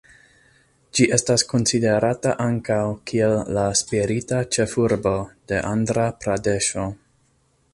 Ĝi estas konsiderata ankaŭ kiel la spirita ĉefurbo de Andra-Pradeŝo.